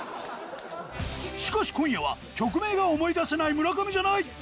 しかし今夜は曲名が思い出せない村上じゃない。